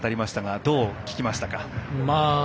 どう聞きましたか？